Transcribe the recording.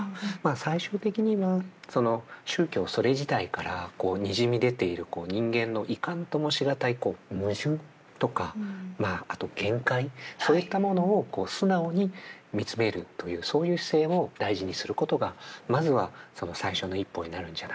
最終的には宗教それ自体からにじみ出ている人間のいかんともし難い矛盾とかまああと限界そういったものを素直に見つめるというそういう姿勢を大事にすることがまずはその最初の一歩になるんじゃないか。